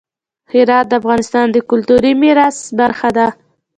هرات د افغانستان د کلتوري میراث برخه ده.